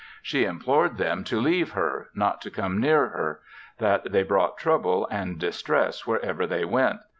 She implored them to leave her, not to come near her; that they brought trouble and distress wherever they went.